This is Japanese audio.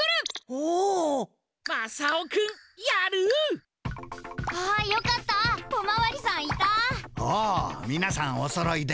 おおみなさんおそろいで。